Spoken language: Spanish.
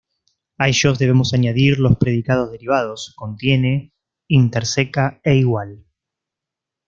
A ellos debemos añadir los predicados derivados: "contiene", "interseca" e "igual".